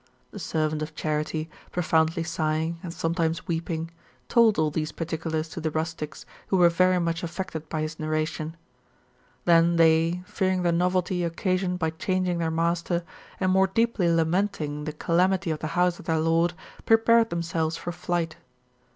"' The servant of Charite, profoundly sighing, and sometimes weeping, told all these particulars to the rustics, who were very much affected by his narration, Then they, fearing the novelty occasioned by changing their master, and more deeply lamenting the calamity of the house of their lord, prepared themselves for fight.